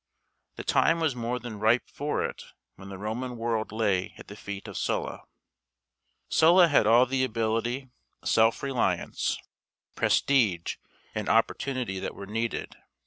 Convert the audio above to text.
The time was more than ripe for it when the Roman world lay at the feet of Sulla. Sulla had all the ability, self reliance, prestige, and opportunity that were needed.